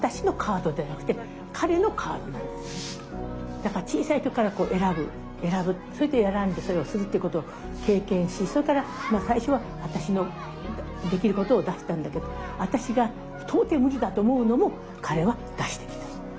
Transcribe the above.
だから小さい時から選ぶそして選んでそれをするっていうことを経験しそれからまあ最初は私のできることを出したんだけど私が到底無理だと思うのも彼は出してきた。